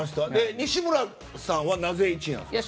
西村さんは、なぜ１位ですか？